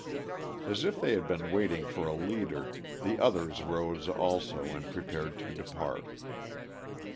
As if they had been waiting for a leader, the others rose also and prepared to depart.